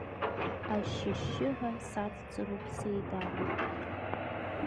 Ашьшьы-шьшьыҳәа саҵыҵыроуп сеидара.